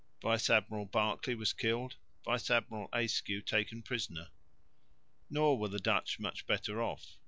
Vice Admiral Berkeley was killed, Vice Admiral Ayscue taken prisoner. Nor were the Dutch much better off.